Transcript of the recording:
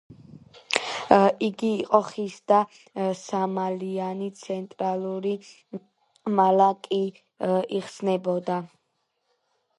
იგი იყო ხის და სამმალიანი, ცენტრალური მალა კი იხსნებოდა.